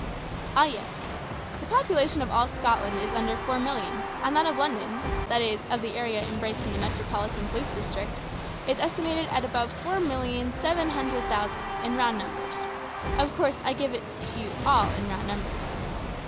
"Ah, yes. The population of all Scotland is under four millions, and that of London that is, of the area embraced in the Metropolitan Police District, is estimated at above four million seven hundred thousand in round numbers. Of course I give it you all in round numbers."